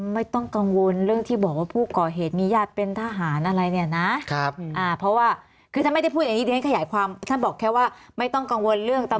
ไม่ต้องกังวลเรื่องตำหรวดทำงานอีกเลยค่ะ